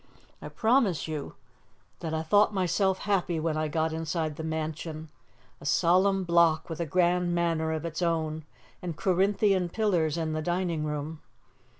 "I promise you that I thought myself happy when I got inside the mansion a solemn block, with a grand manner of its own and Corinthian pillars in the dining room.